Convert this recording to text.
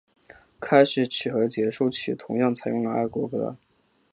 开始曲和结束曲同样采用了爱国歌。